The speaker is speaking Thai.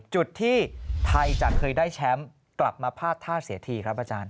จุดที่ไทยจะเคยได้แชมป์กลับมาพลาดท่าเสียทีครับอาจารย์